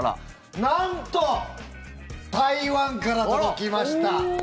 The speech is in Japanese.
なんと、台湾から届きました。